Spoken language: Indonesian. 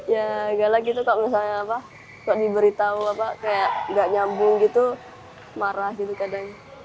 ya galak gitu kalau misalnya apa kalau diberitahu apa kayak nggak nyambung gitu marah gitu kadang